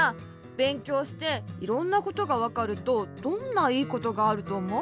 べんきょうしていろんなことがわかるとどんないいことがあるとおもう？